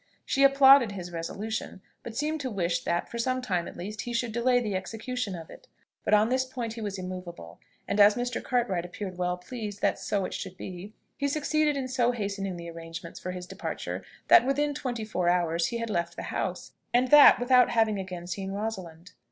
She applauded his resolution, but seemed to wish that for some short time, at least, he should delay the execution of it. But on this point he was immoveable; and as Mr. Cartwright appeared well pleased that so it should be, he succeeded in so hastening the arrangements for his departure that within twenty four hours he had left the house, and that without having again seen Rosalind.